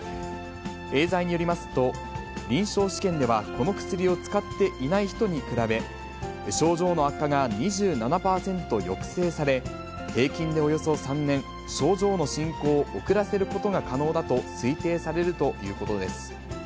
エーザイによりますと、臨床試験ではこの薬を使っていない人に比べ、症状の悪化が２７％抑制され、平均でおよそ３年、症状の進行を遅らせることが可能だと推定されるということです。